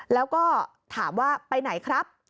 แล้วก็ถามว่าไปไหนครับ